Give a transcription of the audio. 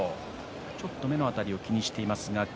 少し目の辺りを気にしています。